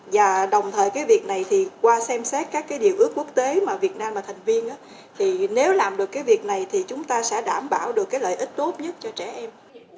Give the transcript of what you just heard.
và đồng thời cái việc này thì qua xem xét các cái điều ước quốc tế mà việt nam là thành viên thì nếu làm được cái việc này thì chúng ta sẽ đảm bảo được cái lợi ích tốt nhất cho trẻ em